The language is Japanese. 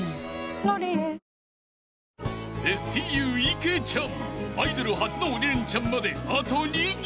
「ロリエ」［ＳＴＵ池ちゃんアイドル初の鬼レンチャンまであと２曲］